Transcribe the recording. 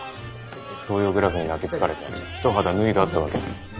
「東洋グラフ」に泣きつかれて一肌脱いだってわけ。